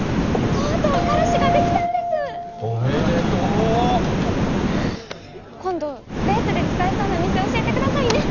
とうとう彼氏ができたんですおめでとうよかったじゃん今度デートで使えそうな店教えてくださいね